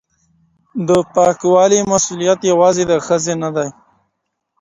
د پاکوالي مسئولیت یوازي د ښځي نه دی.